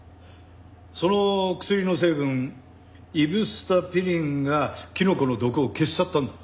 その薬の成分イブスタピリンがキノコの毒を消し去ったんだ。